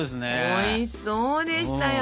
おいしそうでしたよ。